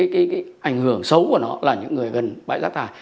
cái ảnh hưởng xấu của nó là những người gần bãi rác thải